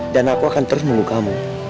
dan aku akan terus menunggu kamu